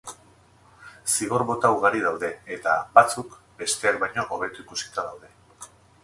Zigor mota ugari daude eta, batzuk, besteak baino hobeto ikusita daude.